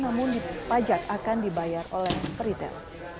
namun pajak akan dibayar oleh retail